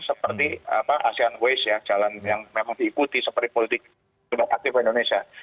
seperti asean waste ya jalan yang memang diikuti seperti politik sudah aktif indonesia